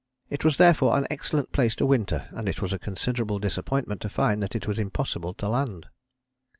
It was therefore an excellent place to winter and it was a considerable disappointment to find that it was impossible to land.